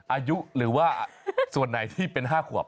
อายุหรือว่าส่วนไหนที่เป็น๕ขวบ